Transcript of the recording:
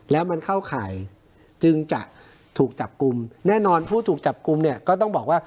แล้วมันเข้าข่ายจึงจะถูกจับกลุ่มแน่นอนผู้ถูกจับกลุ่มเนี่ยก็ต้องบอกว่า